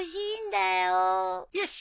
よし！